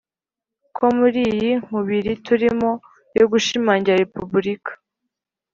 ko muri iyi nkubiri turimo yo gushimangira repubulika